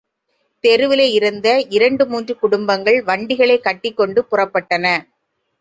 தெருவிலே இருந்த இரண்டு, மூன்று குடும்பங்கள் வண்டிகளைக் கட்டிக்கொண்டு புறப்பட்டன.